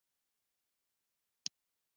آزاد تجارت مهم دی ځکه چې مالیاتي عاید زیاتوي.